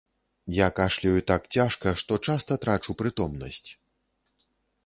Я кашляю так цяжка, што часта трачу прытомнасць.